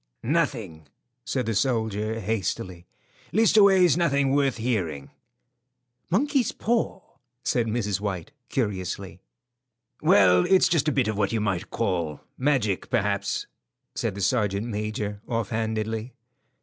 "Nothing," said the soldier, hastily. "Leastways nothing worth hearing." "Monkey's paw?" said Mrs. White, curiously. "Well, it's just a bit of what you might call magic, perhaps," said the sergeant major, offhandedly.